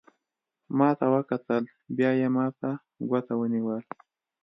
ما ته وکتل، بیا یې ما ته ګوته ونیول.